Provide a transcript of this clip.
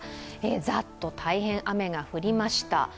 ざっと大変雨が降りました。